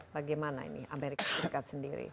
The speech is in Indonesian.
bagaimana ini amerika serikat sendiri